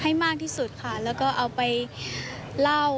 ให้มากที่สุดค่ะแล้วก็เอาไปเล่า